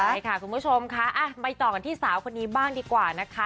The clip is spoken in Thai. ใช่ค่ะคุณผู้ชมค่ะไปต่อกันที่สาวคนนี้บ้างดีกว่านะคะ